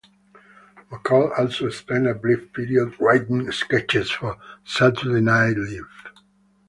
McCall also spent a brief period writing sketches for "Saturday Night Live".